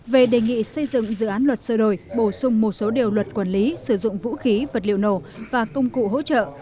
về đề nghị xây dựng dự án luật sơ đổi bổ sung một số điều luật quản lý sử dụng vũ khí vật liệu nổ và công cụ hỗ trợ